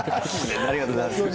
ありがとうございます。